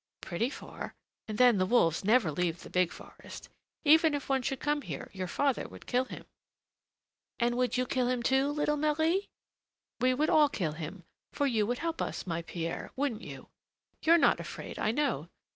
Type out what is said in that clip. "Pretty far; and then the wolves never leave the big forest. Even if one should come here, your father would kill him." "And would you kill him, too, little Marie?" "We would all kill him, for you would help us, my Pierre, wouldn't you? You're not afraid, I know.